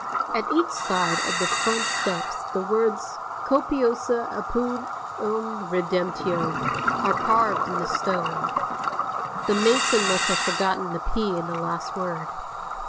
At each side of the front steps the words Copiosa apud eum redemtio are carved in the stone. The mason must have forgotten the p in the last word.